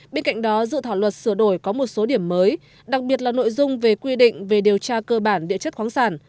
bên cạnh đó dự thảo luật sửa đổi có một số điểm mới đặc biệt là nội dung về quy định về điều tra cơ bản địa chất khoáng sản